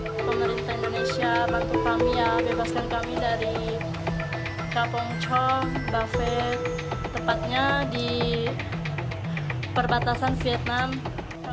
pemerintah indonesia bantu kami ya bebaskan kami dari kaponco bafe tepatnya di perbatasan vietnam